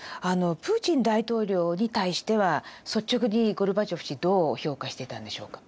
プーチン大統領に対しては率直にゴルバチョフ氏どう評価していたんでしょうか？